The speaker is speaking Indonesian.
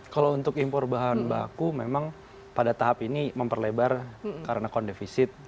kalau untuk impor bahan baku memang pada tahap ini memperlebar karena account defisit